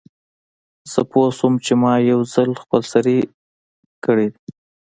زه پوه شوم چې ما یو خپل سری کار کړی دی